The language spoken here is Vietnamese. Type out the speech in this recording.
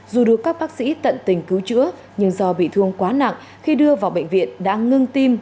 dù được các bác sĩ tận tình cứu chữa nhưng do bị thương quá nặng khi đưa vào bệnh viện đã ngưng tim